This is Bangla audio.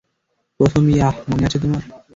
প্রথম ইয়াহ, মনে আছে তোমার?